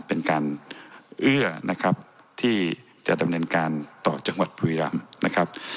เป็นการเอื้อนะครับที่จะดำเนินการต่อจังหวัดบุรีรำนะครับ